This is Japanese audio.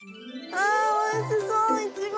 あおいしそう！